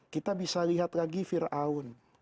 kita bisa lihat lagi fir'aun